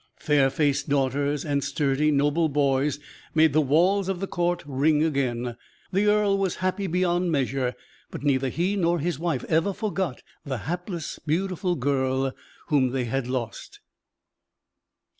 Fair faced daughters and sturdy, noble boys made the walls of the Court ring again. The earl was happy beyond measure, but neither he nor his wife ever forgot the hapless, beautiful girl whom they had lost.